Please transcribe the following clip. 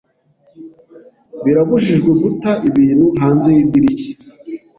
Birabujijwe guta ibintu hanze yidirishya.